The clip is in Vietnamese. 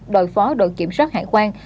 đội phó đội kiểm soát hải quan